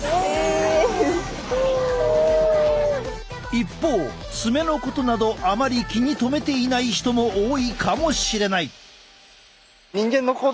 一方爪のことなどあまり気に留めていない人も多いかもしれない。